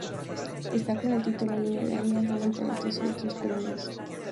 Esta con el título: "Niño del año", "Joven talentoso" y otros premios.